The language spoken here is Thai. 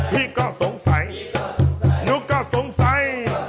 พี่ก็สงสัยหนูก็สงสัย